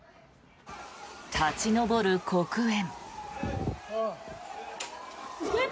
立ち上る黒煙。